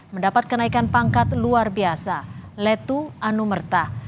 mendapat kenaikan pangkat luar biasa letu anumerta